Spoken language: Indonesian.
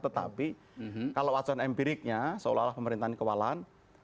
tetapi kalau acuan empiriknya seolah olah pemerintahan kewalahan